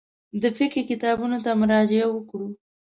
د فقهي کتابونو ته مراجعه وکړو.